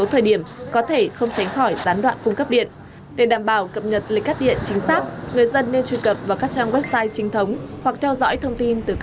hoặc theo dõi thông tin từ cơ quan chính quyền địa phương